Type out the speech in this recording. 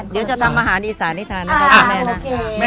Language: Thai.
เดี๋ยวจะทำอาหารอีสานให้ทานนะครับคุณแม่นะ